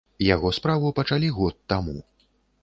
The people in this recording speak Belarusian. Яго справу пачалі год таму.